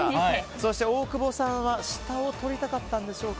そして大久保さんは下をとりたかったんでしょうか。